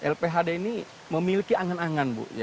lphd ini memiliki angan angan bu